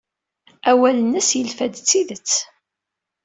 Awal-nnes yelfa-d d tidet.